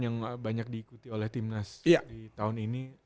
yang banyak diikuti oleh timnas di tahun ini